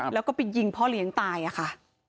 แล้วก็ไปยิงพ่อเลี้ยงตายค่ะ